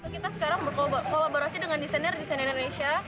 kita sekarang berkolaborasi dengan desainer desainer indonesia